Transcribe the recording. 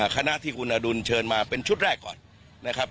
คณะที่กุณณาดูลเชิญมาเป็นชุดแรกก่อน